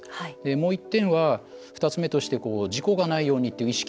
もう１点は、２つ目として事故がないようにという意識。